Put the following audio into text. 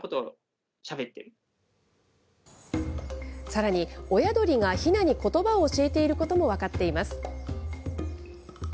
さらに、親鳥がひなにことばを教えていることも分かっています。